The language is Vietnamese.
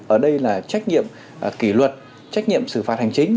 ở đây là trách nhiệm kỷ luật trách nhiệm xử phạt hành chính